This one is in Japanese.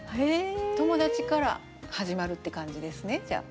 友達から始まるって感じですねじゃあ。